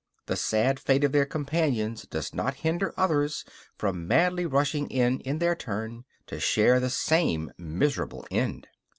The sad fate of their companions does not hinder others from madly rushing in in their turn, to share the same miserable end.